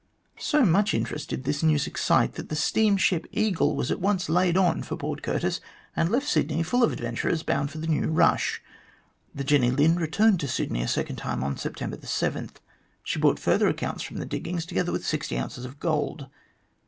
So much interest did A MARVELLOUS WILD GOOSE CHASE 107 tliis news excite, that the steamship Eaylc was at once laid on for Port Curtis, and left Sydney full of adventurers bound for the new rush. The Jenny Lind returned to Sydney a second time on September 7. She brought further accounts from the diggings, together with sixty ounces of gold.